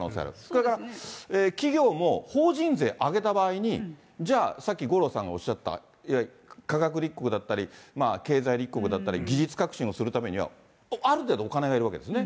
だから企業も法人税上げた場合に、じゃあ、さっき五郎さんがおっしゃった、科学立国だったり、経済立国だったり、技術革新をするためには、ある程度お金がいるわけですよね。